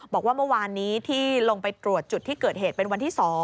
บอกว่าเมื่อวานนี้ที่ลงไปตรวจจุดที่เกิดเหตุเป็นวันที่๒